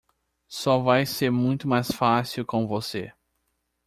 Só vai ser muito mais fácil com você.